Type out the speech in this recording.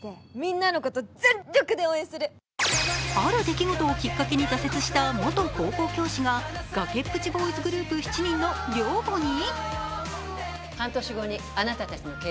ある出来事をきっかけに挫折した元高校教師が崖っぷちボーイズグループ７人の寮母に？